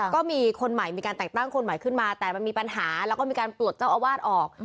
ก็มีคนใหม่มีการแต่งตั้งคนใหม่ขึ้นมาแต่มันมีปัญหาแล้วก็มีการปลดเจ้าอาวาสออก